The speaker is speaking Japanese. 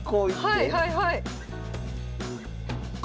はいはいはい。